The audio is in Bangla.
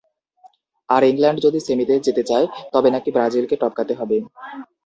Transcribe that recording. আর ইংল্যান্ড যদি সেমিতে যেতে চায়, তবে নাকি ব্রাজিলকে টপকাতে হবে।